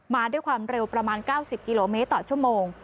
มาด้วยความเร็วประมาณ๙๐กิโลเมตรต่อชั่วโมง